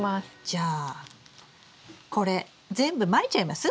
じゃあこれ全部まいちゃいます？